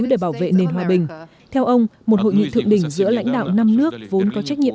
để bảo vệ nền hòa bình theo ông một hội nghị thượng đỉnh giữa lãnh đạo năm nước vốn có trách nhiệm